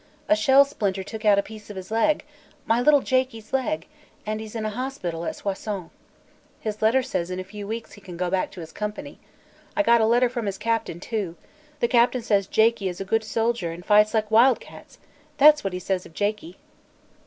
A shell splinter took out a piece of his leg my little Jakie's leg! and he's in a hospital at Soissons. His letter says in a few weeks he can go back to his company. I got a letter from his captain, too. The captain says Jakie is a good soldier and fights like wild cats. That's what he says of Jakie!"